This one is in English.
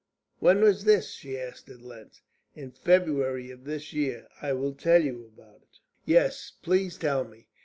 "When was this?" she asked at length. "In February of this year. I will tell you about it." "Yes, please, tell me."